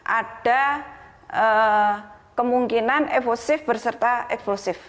ada kemungkinan evosif berserta eksklusif